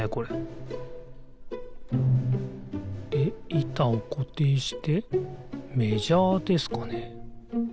いたをこていしてメジャーですかね？